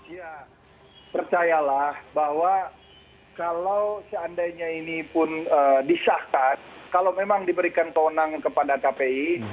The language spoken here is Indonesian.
ya percayalah bahwa kalau seandainya ini pun disahkan kalau memang diberikan tonang kepada kpi